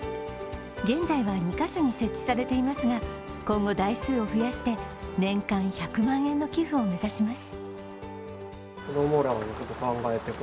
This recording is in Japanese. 現在は２カ箇所に設置されていますが今後、台数を増やして年間１００万円の寄付を目指します。